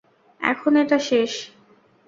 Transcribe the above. এখন এটা শেষ।